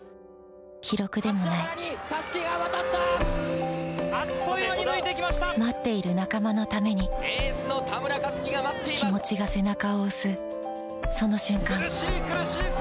記録でもない待っている仲間のために気持ちが背中を押すその瞬間